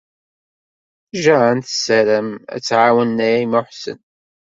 Jane tessaram ad tt-tɛawen Naɛima u Ḥsen.